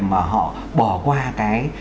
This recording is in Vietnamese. mà họ bỏ qua cái